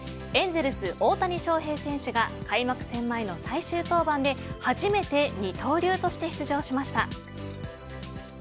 エンゼルス、大谷翔平選手が開幕戦前の最終登板で初めて二刀流として出場しました。